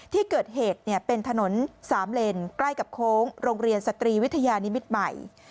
ที่เกิดเหตุเป็นถนนสามเลนใกล้กับโค้งโรงเรียนสตรีวิทยานิมิตรใหม่